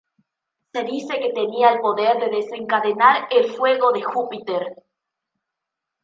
Se dice que tenía el poder de desencadenar el fuego de Júpiter.